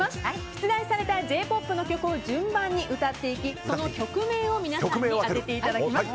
出題されたＪ‐ＰＯＰの曲を順番に歌っていきその曲名を皆さんに当てていただきます。